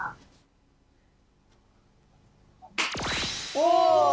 お！